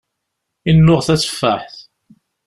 Innuɣ tatefaḥt.